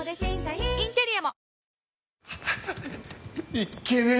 いっけねえ！